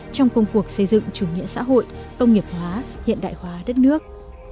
trong công cuộc xây dựng chủ nghĩa xã hội công nghiệp hóa hiện đại hóa đất nước